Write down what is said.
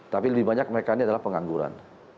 tapi lebih banyak mereka ini adalah pengangguran